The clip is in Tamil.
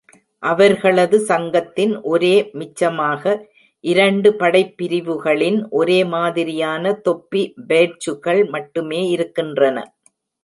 அவர்களது சங்கத்தின் ஒரே மிச்சமாக, இரண்டு படைப்பிரிவுகளின் ஒரே மாதிரியான தொப்பி-பேட்ஜ்கள் மட்டுமே இருக்கின்றன.